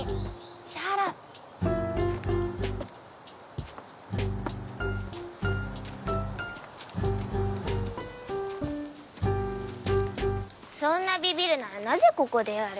Ｓｈｕｔｕｐ．そんなビビるならなぜここでやる？